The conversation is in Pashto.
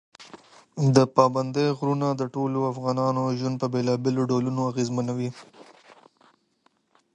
پابندي غرونه د ټولو افغانانو ژوند په بېلابېلو ډولونو اغېزمنوي.